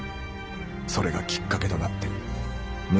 それがきっかけとなって六